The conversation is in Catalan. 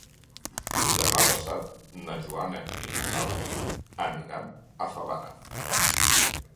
Demà passat na Joana i na Gal·la aniran a Favara.